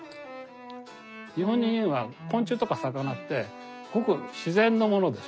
日本人は昆虫とか魚ってごく自然のものでしょ。